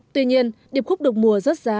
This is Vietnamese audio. tuy nhiên điệp khúc được mùa rớt giá